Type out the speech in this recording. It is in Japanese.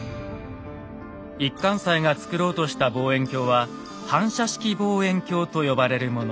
一貫斎が作ろうとした望遠鏡は「反射式望遠鏡」と呼ばれるもの。